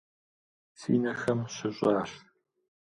Си нэхэм щыщӏащ.